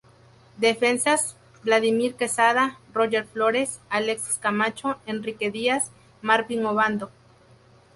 Defensas: Vladimir Quesada, Roger Flores, Alexis Camacho, Enrique Díaz, Marvin Obando.